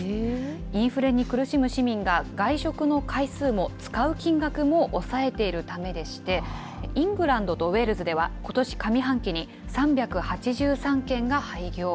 インフレに苦しむ市民が、外食の回数も使う金額も抑えているためでして、イングランドとウェールズでは、ことし上半期に３８３軒が廃業。